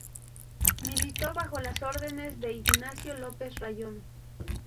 Militó bajo las órdenes de Ignacio López Rayón.